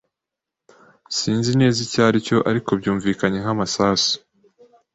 Sinzi neza icyo aricyo, ariko byumvikanye nkamasasu.